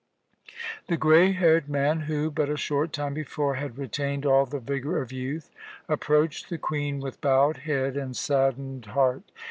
The grey haired man who, but a short time before, had retained all the vigour of youth, approached the Queen with bowed head and saddened heart.